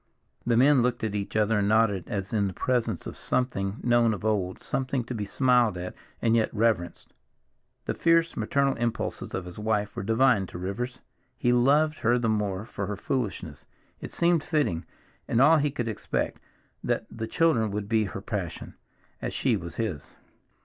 The men looked at each other and nodded, as in the presence of something known of old, something to be smiled at, and yet reverenced. The fierce maternal impulses of his wife were divine to Rivers, he loved her the more for her foolishness; it seemed fitting, and all he could expect, that the children should be her passion, as she was his.